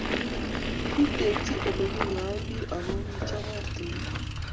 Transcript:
ketekchi oleginyoen biik ago kechop oratinwek